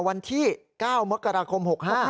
วันที่๙เมื่องกราคม๑๙๖๕